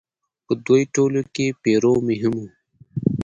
په دوی ټولو کې پیرو مهم و.